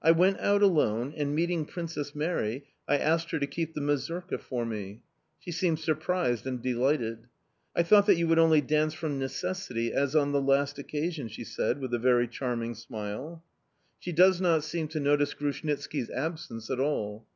I went out alone, and, meeting Princess Mary I asked her to keep the mazurka for me. She seemed surprised and delighted. "I thought that you would only dance from necessity as on the last occasion," she said, with a very charming smile... She does not seem to notice Grushnitski's absence at all.